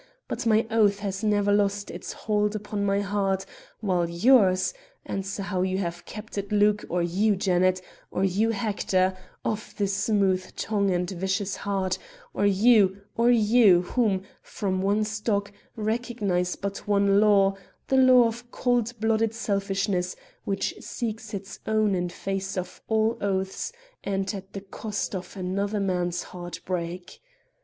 But my oath has never lost its hold upon my heart, while yours answer how you have kept it, Luke; or you, Janet; or you Hector, of the smooth tongue and vicious heart; or you, or you, who, from one stock, recognize but one law: the law of cold blooded selfishness which seeks its own in face of all oaths and at the cost of another man's heart break.